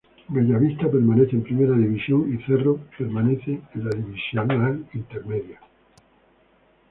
Bella Vista permanece en Primera División y Cerro permanece en la Divisional Intermedia.